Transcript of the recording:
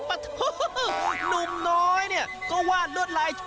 นุ่มน้น้อยเนี่ยก็วาดรวดลายโทรเย